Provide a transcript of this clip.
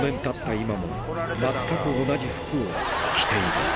今も全く同じ服を着ている。